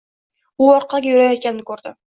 U orqaga yurayotganini koʻrdi.